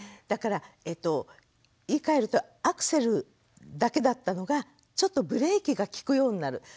だから言いかえるとアクセルだけだったのがちょっとブレーキが利くようになる。